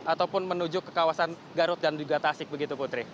ataupun menuju ke kawasan garut dan juga tasik begitu putri